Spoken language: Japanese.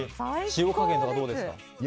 塩加減はどうですか。